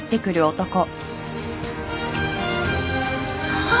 ・あっ。